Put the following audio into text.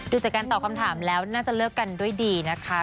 จากการตอบคำถามแล้วน่าจะเลิกกันด้วยดีนะคะ